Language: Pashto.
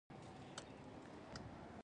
د بامیان پوهنتون په بامیان کې دی